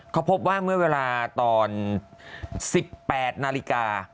เขาพบว่าเมื่อเวลาตอน๑๘นาฬิกา